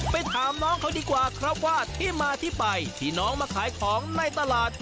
ไปถามน้องเขาดีกว่าครับว่าที่มาที่ไปที่น้องมาขายของในตลาด